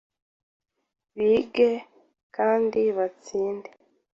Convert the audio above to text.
bige kendi begetsinde